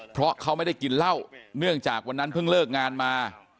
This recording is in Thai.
เพราะเขาไม่ได้กินเหล้าเนื่องจากวันนั้นเพิ่งเลิกงานมา